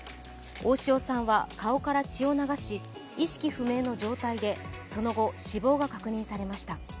大塩さんは顔から血を流し、意識不明の状態でその後、死亡が確認されました。